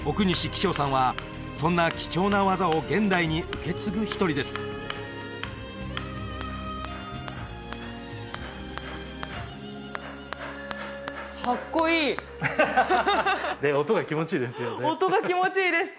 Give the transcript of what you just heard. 希生さんはそんな貴重な技を現代に受け継ぐ一人ですかっこいいハハハ音が気持ちいいですよね